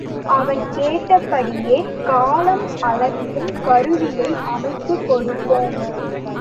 அவன் கேட்டபடியே காலம் அளக்கும் கருவியை அமைத்துக் கொடுப்போம்.